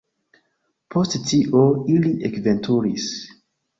Post tio, ili ekveturis.